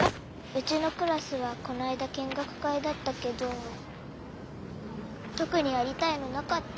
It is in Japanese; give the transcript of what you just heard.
うちのクラスはこないだ見学会だったけどとくにやりたいのなかった。